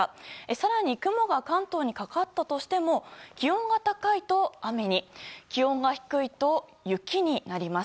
更に雲が関東にかかったとしても気温が高いと雨に気温が低いと雪になります。